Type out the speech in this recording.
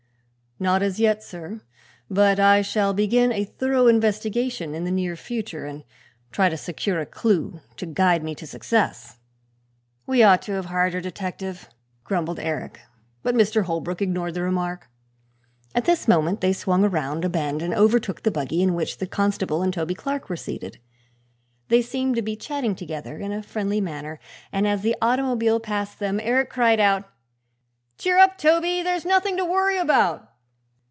"Not as yet, sir. But I shall begin a thorough investigation in the near future and try to secure a clew to guide me to success." "We ought to have had a detective," grumbled Eric, but Mr. Holbrook ignored the remark. At this moment they swung around a bend and overtook the buggy in which the constable and Toby Clark were seated. They seemed to be chatting together in a friendly manner and as the automobile passed them Eric cried out: "Cheer up, Toby! There's nothing to worry about."